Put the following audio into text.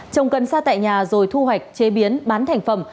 trồng cân sa tại nhà rồi thu hoạch chế biến bán thành phẩm